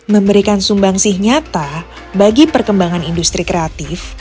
memberikan sumbang sih nyata bagi perkembangan industri kreatif